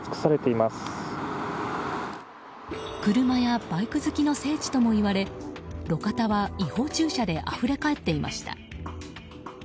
車やバイク好きの聖地ともいわれ路肩は違法駐車であふれ返っていました。